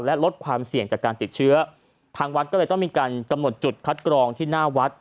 และลดความเสี่ยงจากการติดเชื้อทางวัดก็เลยต้องมีการกำหนดจุดคัดกรองที่หน้าวัด